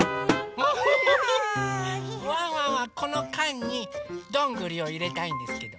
ワンワンはこのかんにどんぐりをいれたいんですけど。